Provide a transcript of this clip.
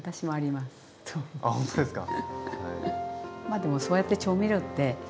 あほんとですか。